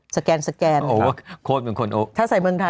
สแกนสแกนโอเวอร์โค้ดเป็นคนโอเวอร์ถ้าใส่เมืองไทย